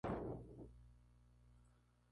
La fiesta patronal del pueblo es San Miguel Arcángel.